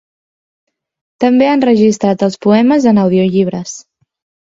També ha enregistrat els poemes en audiollibres.